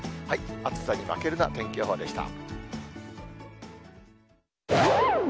暑さに負けるな、天気予報でした。